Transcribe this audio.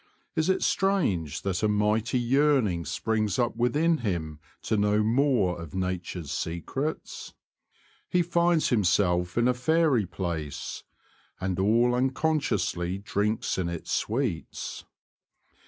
Is it strange that a mighty yearning springs up within him to know more of nature's secrets ? He finds himself in a fairy place, and all unconsciously drinks in its sweets.